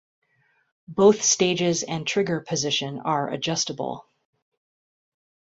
Both stages and trigger position are adjustable.